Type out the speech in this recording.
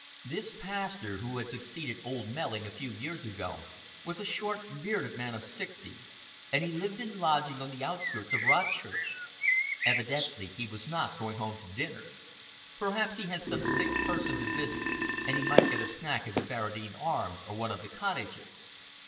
This pastor, who had succeeded old Melling a few years ago, was a short, bearded man of sixty, and he lived in lodgings on the outskirts of Rodchurch. Evidently he was not going home to dinner. Perhaps he had some sick person to visit, and he might get a snack at the Barradine Arms or one of the cottages.